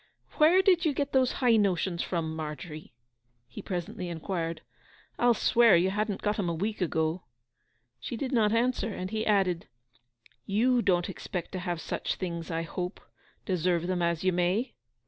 'Where did you get those high notions from, Margery?' he presently inquired. 'I'll swear you hadn't got 'em a week ago.' She did not answer, and he added, 'Yew don't expect to have such things, I hope; deserve them as you may?